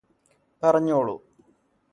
പറഞ്ഞോളു